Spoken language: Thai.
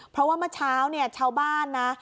เพราะว่าเมื่อเช้าเนี่ยชาวบ้านนะ